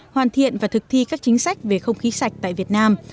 hoàn thiện và thực thi các chính sách về không khí sạch tại việt nam